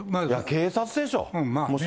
警察でしょ。